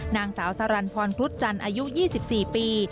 นางสาวสรรพรครุฑจันทร์อายุ๒๔ปี